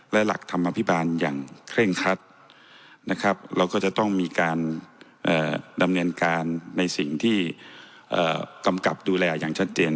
และหลักธรรมอภิบาลอย่างเคร่งคัดนะครับเราก็จะต้องมีการดำเนินการในสิ่งที่กำกับดูแลอย่างชัดเจน